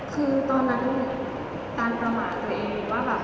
คือตอนนั้นตันประมาทตัวเองว่าแบบ